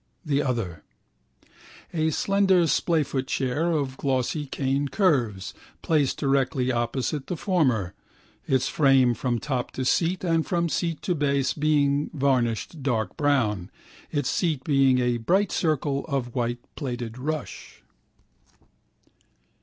The other: a slender splayfoot chair of glossy cane curves, placed directly opposite the former, its frame from top to seat and from seat to base being varnished dark brown, its seat being a bright circle of white plaited rush.